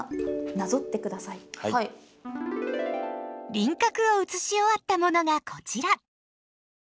輪郭を写し終わったものがこちら。